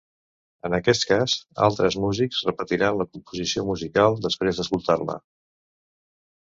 En aquest cas, altres músics repetiran la composició musical després d'escoltar-la.